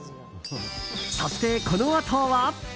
そして、このあとは。